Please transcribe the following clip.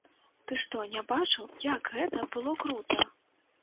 Ты што не бачыў, як гэта было крута?